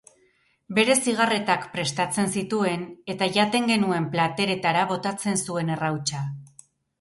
Bere zigarretak prestatzen zituen, eta jaten genuen plateretara botatzen zuen errautsa.